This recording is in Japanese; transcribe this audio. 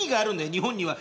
日本には。